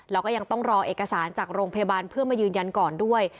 แล้วก็ยังต้องรอเอกสารจากโรงพยาบาลเพื่อมายืนยันก่อนด้วย